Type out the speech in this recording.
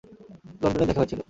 লন্ডনে দেখা হয়েছিল।